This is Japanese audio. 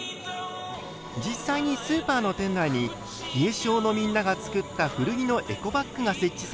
実際にスーパーの店内に日枝小のみんなが作った古着のエコバッグが設置されました。